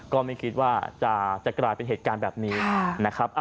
ก็ไม่คิดว่าจะกลายเป็นเหตุการณ์แบบนี้นะครับ